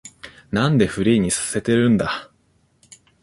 なんでフリーにさせてるんだ